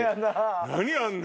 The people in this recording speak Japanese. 何あんな。